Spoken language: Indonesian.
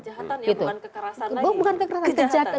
kejahatan bukan kekerasan lagi